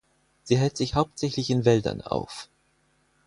Sie hält sich hauptsächlich in Wäldern auf.